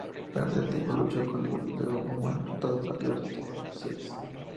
Durante este tiempo luchó, con buenos resultados, por diversos temas sociales.